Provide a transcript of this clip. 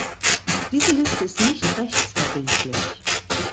Diese Liste ist nicht rechtsverbindlich.